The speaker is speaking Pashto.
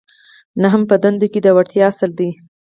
نهم په دندو کې د وړتیا اصل دی.